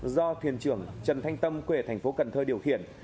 một trăm linh tám do thuyền trưởng trần thanh tâm quê thành phố cần thơ điều khiển